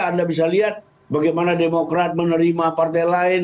anda bisa lihat bagaimana demokrat menerima partai lain